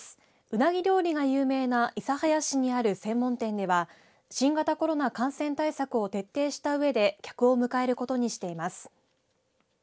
うなぎ料理が有名な諫早市にある専門店では新型コロナ感染対策を徹底したうえで客を迎えることにしています。